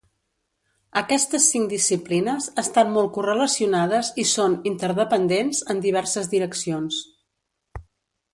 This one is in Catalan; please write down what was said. Aquestes cinc disciplines estan molt correlacionades i són interdependents en diverses direccions.